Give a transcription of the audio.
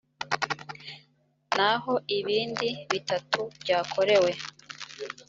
naho ibindi bitatu byakorewe